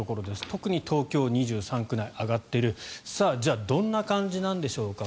特に東京２３区内上がっているじゃあどんな感じなんでしょうか。